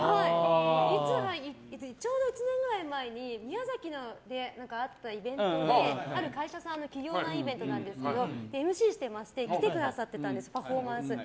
ちょうど１年ぐらい前に宮崎であったイベントである会社さんの企業内イベントなんですけどＭＣしてまして見てくださってたんですパフォーマンス。